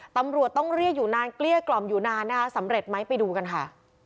ตำรวจต้องเรียกอยู่นานเกลี้ยกล่อมอยู่นานนะคะสำเร็จไหมไปดูกันค่ะ